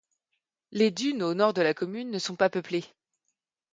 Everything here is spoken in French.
Les dunes au nord de la commune ne sont pas peuplées.